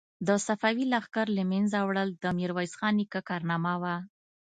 د صفوي لښکر له منځه وړل د میرویس نیکه کارنامه وه.